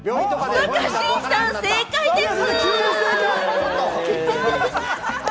若新さん、正解です。